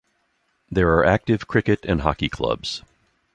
There are active cricket and hockey clubs.